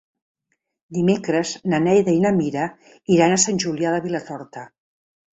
Dimecres na Neida i na Mira iran a Sant Julià de Vilatorta.